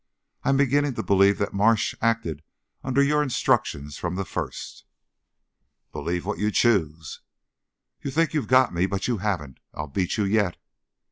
I am beginning to believe that Marsh acted under your instructions from the first." "Believe what you choose." "You think you've got me, but you haven't. I'll beat you yet."